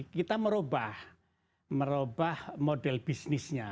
kita merubah model bisnisnya